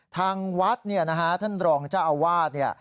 ทางวัดเนี่ยนะฮะท่านรองเจ้าอาวาสเนี่ย